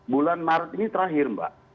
bulan maret ini terakhir mbak